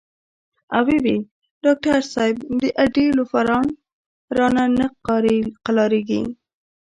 او وې ئې " ډاکټر صېب د اډې لوفران رانه نۀ قلاریږي